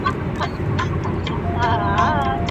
وترنري پوهنځۍ په چټکۍ نه ارزول کیږي.